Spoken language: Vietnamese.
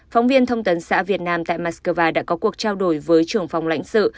phóng viên thông tấn xã việt nam tại moscow đã có cuộc trao đổi với trưởng phòng lãnh sự